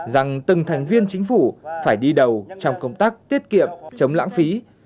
rằng từng thành viên chính phủ phải đi đầu trong công tác tiết kiệm chống lãng phí